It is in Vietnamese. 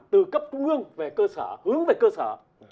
từ cấp ngương về cơ sở hướng về cơ sở